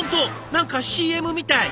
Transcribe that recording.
何かＣＭみたい。